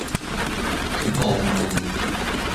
不揣冒昧